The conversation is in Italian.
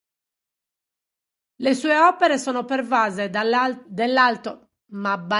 Le sue opere sono pervase dell'alto sentimento che egli provò per la Sicilia.